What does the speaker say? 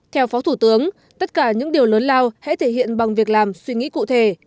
theo phó thủ tướng tất cả những điều lớn lao hãy thể hiện bằng việc làm suy nghĩ cụ thể